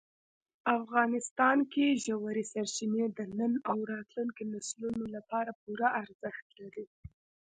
افغانستان کې ژورې سرچینې د نن او راتلونکي نسلونو لپاره پوره ارزښت لري.